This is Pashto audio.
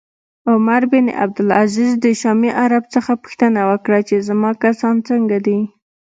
عمر بن عبدالعزیز د شامي عرب څخه پوښتنه وکړه چې زما کسان څنګه دي